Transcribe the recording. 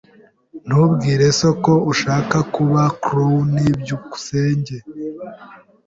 Ntubwire so ko ushaka kuba clown. byukusenge